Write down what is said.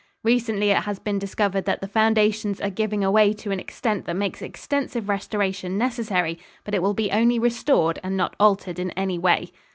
Recently it has been discovered that the foundations are giving away to an extent that makes extensive restoration necessary, but it will be only restored and not altered in any way.